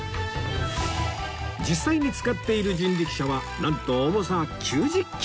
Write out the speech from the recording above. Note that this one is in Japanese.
実際に使っている人力車はなんと重さ９０キロ！